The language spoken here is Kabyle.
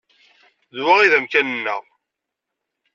D wa ay d amkan-nneɣ.